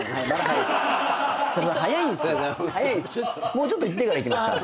もうちょっといってからいきますから。